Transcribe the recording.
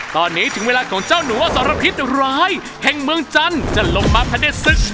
ตอนนี้ถึงเวลาของเจ้านัวสารพิษร้ายแห่งเมืองจันทร์จะลงมาพระเด็จศึก